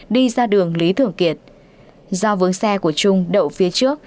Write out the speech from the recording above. đi ra đường lý thường kiệt do vướng xe của trung đậu phía trước